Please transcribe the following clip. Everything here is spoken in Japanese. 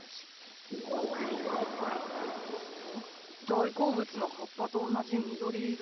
大好物の葉っぱと同じ緑色。